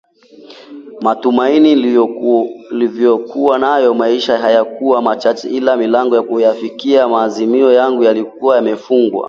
Matumaini niliyokuwa nayo maishani hayakuwa machache ila milango ya kuyafikia maazimio yangu ilikuwa imefungwa